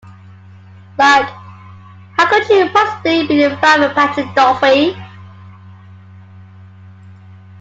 Like, how could you possibly be a fan of Patrick Duffy?